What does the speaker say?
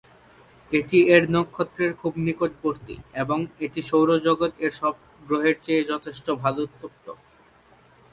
এটি এর নক্ষত্রের খুব নিকটবর্তী, এবং এটি সৌর জগৎ এর সব গ্রহের চেয়ে যথেষ্ট ভাল উত্তপ্ত।